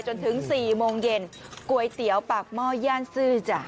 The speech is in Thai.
จนถึง๔โมงเย็นก๋วยเตี๋ยวปากหม้อย่านซื่อจ้ะ